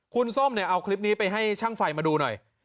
คุณส้มเนี่ยเอาคลิปนี้ไปให้ช่างไฟมาดูหน่อย